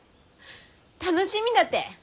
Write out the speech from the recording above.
楽しみだて！